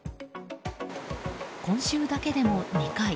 今週だけでも２回。